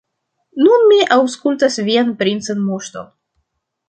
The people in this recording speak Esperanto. Nun mi aŭskultas vian princan moŝton.